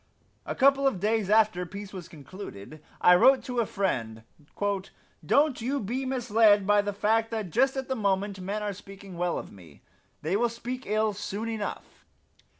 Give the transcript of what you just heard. A couple of days after peace was concluded I wrote to a friend: "Don't you be misled by the fact that just at the moment men are speaking well of me. They will speak ill soon enough.